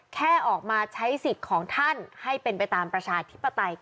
แค่ออกมาใช้สิทธิ์ของท่านให้เป็นไปตามประชาธิปไตย